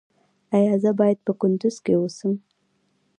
ایا زه باید په کندز کې اوسم؟